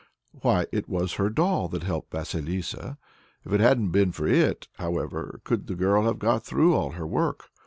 Why, it was her doll that helped Vasilissa. If it hadn't been for it, however could the girl have got through all her work?